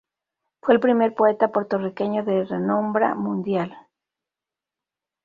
Fue el primer poeta puertorriqueño de renombra mundial.